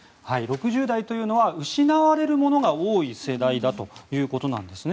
６０代というのは失われるものが多い世代だということです。